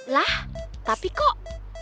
lah tapi kok